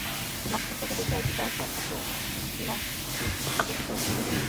নক্ষত্রকে দেখিয়াই পীতাম্বর হাস্যবিকশিত মুখে কহিলেন, জয়োস্তু মহারাজ!